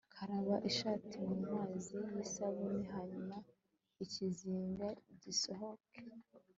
karaba ishati mumazi yisabune hanyuma ikizinga gisohoke